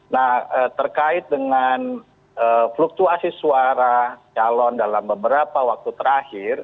nah terkait dengan fluktuasi suara calon dalam beberapa waktu terakhir